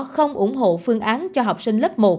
không ủng hộ phương án cho học sinh lớp một